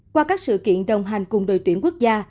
qua các sự kiện đồng hành cùng đội tuyển quốc gia